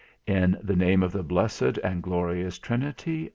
"In the name of the blessed and glorious Trinity.